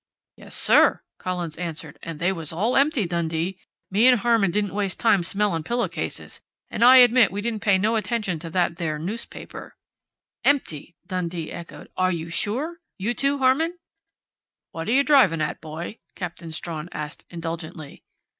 "Yes, sir," Collins answered. "And they was all empty, Dundee. Me and Harmon didn't waste time smelling pillow cases, and I admit we didn't pay no attention to that there newspaper " "Empty!" Dundee echoed. "Are you sure?... You, too, Harmon?" "What are you driving at, boy?" Captain Strawn asked indulgently.